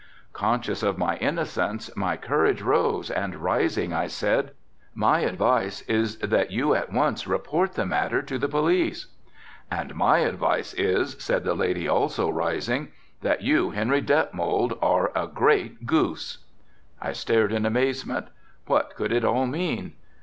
Conscious of my innocence my courage rose and rising I said, "My advice is that you at once report the matter to the police." "And my advice is," said the lady also rising, "that you Henry Detmold, are a great goose." I stared in amazement. What could it all mean.